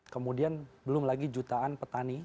kemudian belum lagi jutaan petani